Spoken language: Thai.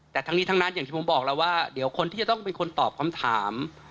แต่ทั้งนี้ทั้งนั้นอย่างที่ผมบอกแล้วว่าเดี๋ยวคนที่จะต้องเป็นคนตอบคำถาม